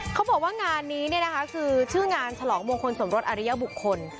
เขาบอกว่างานนี้คือชื่องานฉลองมงคลสมรสอริยบุคคล